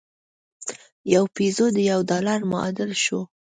یو پیزو د یوه ډالر معادل شو.